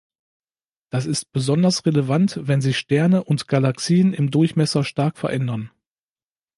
Das ist besonders relevant, wenn sich Sterne oder Galaxien im Durchmesser stark verändern.